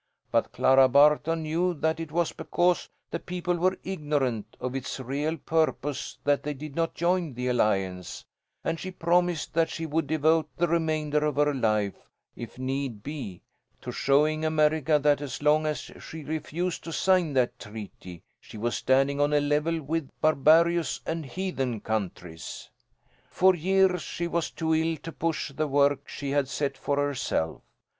But Clara Barton knew that it was because the people were ignorant of its real purpose that they did not join the alliance, and she promised that she would devote the remainder of her life, if need be, to showing America that as long as she refused to sign that treaty, she was standing on a level with barbarous and heathen countries. "For years she was too ill to push the work she had set for herself.